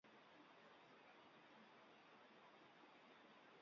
حەزم لە خەیارە.